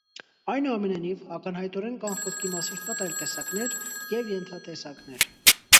Այնուամենայնիվ, ակնհայտորեն կան խոսքի մասի շատ այլ տեսակներ և ենթատեսակներ։